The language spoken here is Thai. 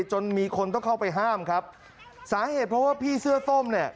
จนมีคนต้องเข้าไปห้ามครับสาเหตุเพราะว่าพี่เสื้อส้มเนี่ย